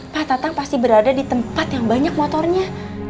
pak tatang pasti berada di tempat yang banyak motornya